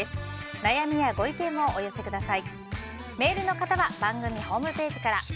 悩みやご意見もお寄せください。